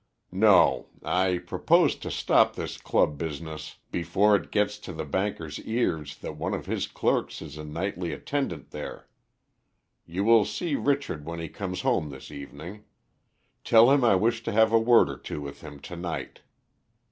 "No, I propose to stop this club business before it gets to the banker's ears that one of his clerks is a nightly attendant there. You will see Richard when he comes home this evening; tell him I wish to have a word or two with him to night.